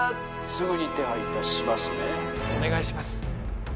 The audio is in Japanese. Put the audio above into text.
☎すぐに手配いたしますねお願いします